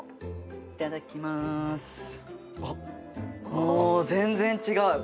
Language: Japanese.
お全然違う。